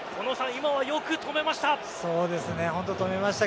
今はよく止めました。